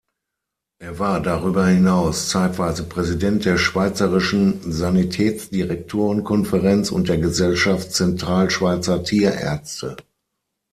Er war darüber hinaus zeitweise Präsident der schweizerischen Sanitätsdirektoren-Konferenz und der Gesellschaft Zentralschweizer Tierärzte.